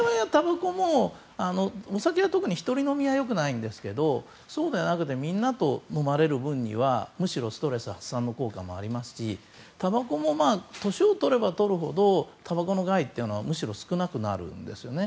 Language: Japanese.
お酒は特に１人飲みは良くないんですけどそうじゃなくてみんなで飲まれる分にはストレス発散の効果もありますしたばこも年を取ればとるほどたばこの害というのはむしろ少なくなるんですね。